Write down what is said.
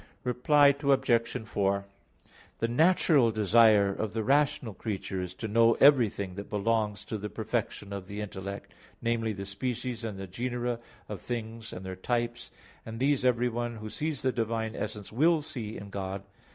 Reply Obj. 4: The natural desire of the rational creature is to know everything that belongs to the perfection of the intellect, namely, the species and the genera of things and their types, and these everyone who sees the Divine essence will see in God.